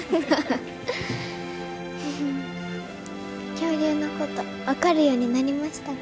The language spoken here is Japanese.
恐竜のこと分かるようになりましたか？